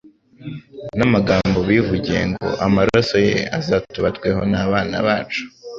n'amagambo bivugiye ngo «amaraso ye azatubarweho n'abana bacu'»